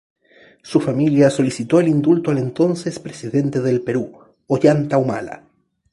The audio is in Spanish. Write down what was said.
Su familia solicitó el indulto al entonces presidente del Perú, Ollanta Humala.